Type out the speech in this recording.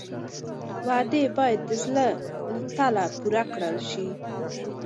وعدې باید د زړه له تله پوره کړل شي.